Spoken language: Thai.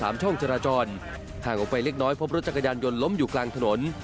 ช่องจราจรห่างออกไปเล็กน้อยพบรถจักรยานยนต์ล้มอยู่กลางถนน